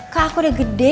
kak aku udah gede